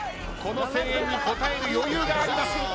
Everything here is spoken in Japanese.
この声援に応える余裕があります。